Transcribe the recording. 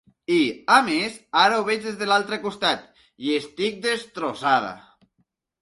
I, a més, ara ho veig des de l’altre costat i estic destrossada.